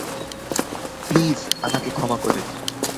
Please, আমাকে ক্ষমা করে দাও।